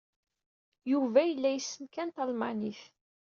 Yuba yella yessen kan talmanit.